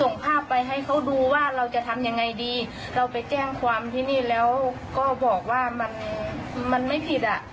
ส่งภาพไปให้เขาดูว่าเราจะทำยังไงดีเราไปแจ้งความที่นี่แล้วก็บอกว่ามันมันไม่ผิดอ่ะ